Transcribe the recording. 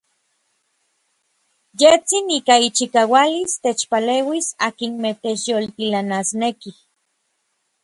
Yejtsin ika ichikaualis techpaleuis akinmej techyoltilanasnekij.